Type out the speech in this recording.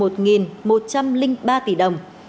sadeco một một trăm linh ba tỷ đồng